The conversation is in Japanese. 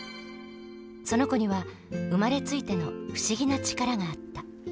その子には生まれついての不思議な力があった。